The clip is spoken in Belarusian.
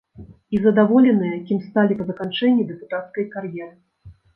І задаволеныя, кім сталі па заканчэнні дэпутацкай кар'еры.